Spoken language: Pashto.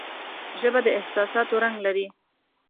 ژبه د احساساتو رنگ لري